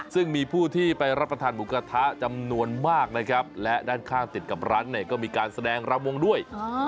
ซึ่งมีผู้ที่ไปรับประทานหมูกระทะจำนวนมากนะครับและด้านข้างติดกับร้านเนี่ยก็มีการแสดงรำวงด้วย